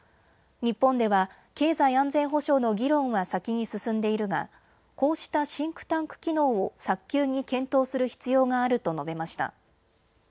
日本では経済安全保障の議論は先に進んでいるがこうしたシンクタンク機能を早急に検討する必要があると述べました。